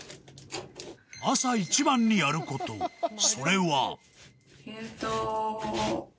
朝一番にやることそれは入刀